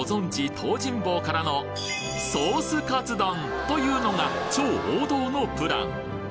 東尋坊からのソースカツ丼というのが超王道のプラン